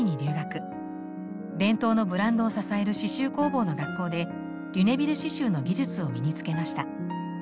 伝統のブランドを支える刺しゅう工房の学校でリュネビル刺しゅうの技術を身に付けました。